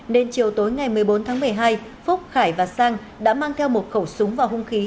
nên chiều tối ngày một mươi bốn tháng một mươi hai phúc khải và sang đã mang theo một khẩu súng và hung khí